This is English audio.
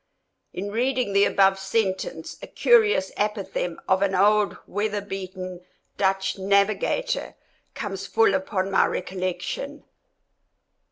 In reading the above sentence a curious apothegm of an old weather beaten Dutch navigator comes full upon my recollection.